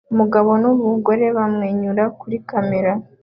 Umugabo numugore bamwenyura kuri kamera